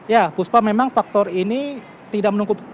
ya puspa memang faktor ini tidak menunggu